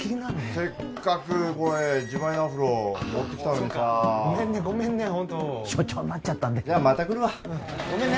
せっかくこれ自前のアフロ持ってきたのにさごめんねごめんねホント所長になっちゃったんでじゃまた来るわごめんね